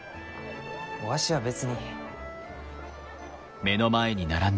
わしは別に。